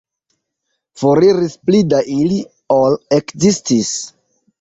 Foriris pli da ili, ol ekzistis.